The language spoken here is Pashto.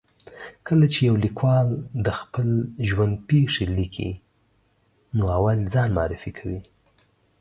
کله چې یو لیکوال د خپل ژوند پېښې لیکي، نو اول ځان معرفي کوي.